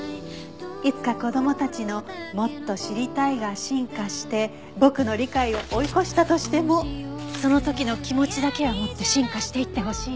「いつか子供たちの“もっと知りたい”が進化して僕の理解を追い越したとしてもその時の気持ちだけは持って進化していって欲しい」